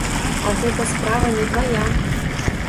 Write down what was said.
А гэта справа не твая!